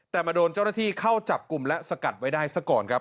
แต่มาโดนเจ้าหน้าที่เข้าจับกลุ่มและสกัดไว้ได้ซะก่อนครับ